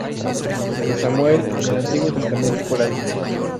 El de Samuel, en el Antiguo Testamento por Ana.